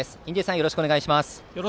よろしくお願いします。